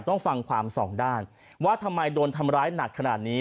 ต้องฟังความสองด้านว่าทำไมโดนทำร้ายหนักขนาดนี้